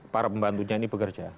para pembantunya ini bekerja